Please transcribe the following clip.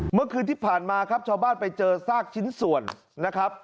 เมื่อคืนที่ผ่านมาครับชาวบ้านไปเจอซากชิ้นส่วนนะครับ